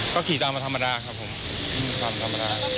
ก็ขี่ตามมาธรรมดาครับผม